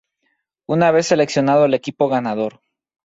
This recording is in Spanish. Una vez seleccionado el equipo ganador.